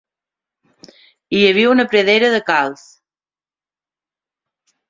Hi havia una pedrera de calç.